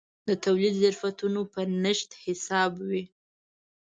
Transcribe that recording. د تولید ظرفیتونه په نشت حساب وي.